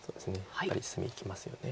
やっぱり隅いきますよね。